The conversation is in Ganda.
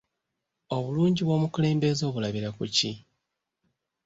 Obulungi bw'omukulembeze obulabira ku ki?